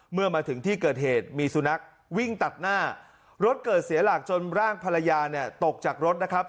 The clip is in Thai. เมื่อมาถึงที่เกิดเหตุมีสุนัขวิ่งตัดหน้ารถเกิดเสียหลักจนร่างภรรยาเนี่ยตกจากรถนะครับ